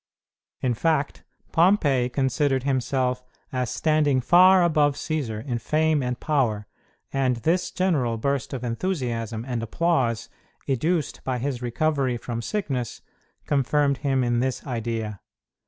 In fact, Pompey considered himself as standing far above Cćsar in fame and power, and this general burst of enthusiasm and applause educed by his recovery from sickness confirmed him in this idea.